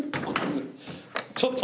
ちょっと！